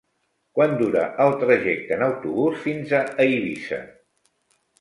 Quant dura el trajecte en autobús fins a Eivissa?